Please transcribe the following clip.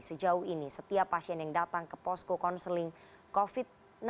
sejauh ini setiap pasien yang datang ke posko konseling covid sembilan belas